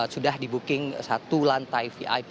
sudah dibuking satu lantai vip